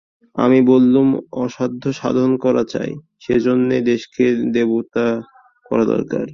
আমি বললুম, অসাধ্য সাধন করা চাই, সেইজন্যেই দেশকে দেবতা করা দরকার।